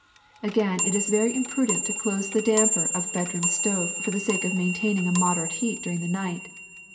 Again, it is very imprudent to close the damper of a bedroom stove for the sake of maintaining a moderate heat during the night.